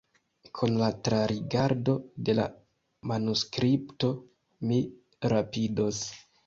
Kun la trarigardo de la manuskripto mi rapidos.